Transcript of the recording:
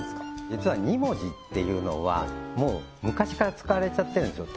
実は２文字っていうのはもう昔から使われちゃってるんですよ